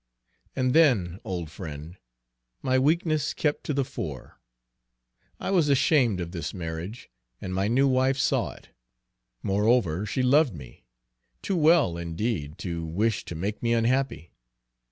And then, old friend, my weakness kept to the fore. I was ashamed of this marriage, and my new wife saw it. Moreover, she loved me, too well, indeed, to wish to make me unhappy.